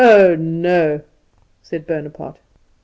Oh, no!" said Bonaparte.